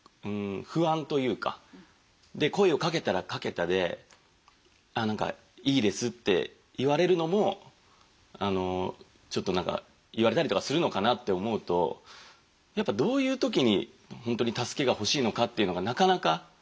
で声をかけたらかけたでああ何か「いいです」って言われるのもちょっと何か言われたりとかするのかなって思うとやっぱどういう時に本当に助けが欲しいのかっていうのがなかなか。